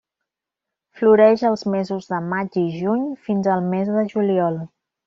Floreix els mesos de maig i juny, fins al mes de juliol.